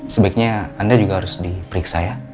sebaiknya anda juga harus diperiksa ya